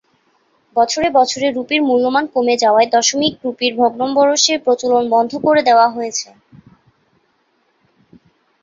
বছরে বছরে রুপির মূল্যমান কমে যাওয়ায় দশমিক রুপির ভগ্নম্বরশের প্রচলন বন্ধ করে দেয়া হয়েছে।